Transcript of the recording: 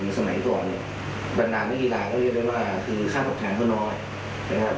สมัยก่อนเนี่ยบรรดานักกีฬาก็เรียกได้ว่าคือค่าตอบแทนก็น้อยนะครับ